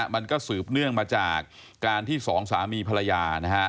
มันก็สืบเนื่องมาจากการที่สองสามีภรรยานะฮะ